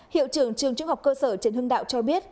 hiệu trưởng trường trung học cơ sở trần hưng đạo cho biết